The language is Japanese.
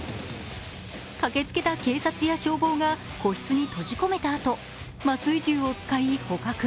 駆けつけた警察や消防が個室に閉じ込めたあと麻酔銃を使い、捕獲。